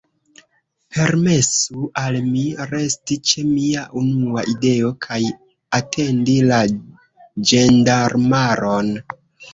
Permesu al mi, resti ĉe mia unua ideo, kaj atendi la ĝendarmaron.